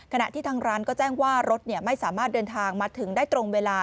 ขณะที่ทางร้านก็แจ้งว่ารถไม่สามารถเดินทางมาถึงได้ตรงเวลา